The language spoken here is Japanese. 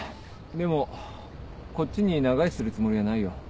でもこっちに長居するつもりはないよ。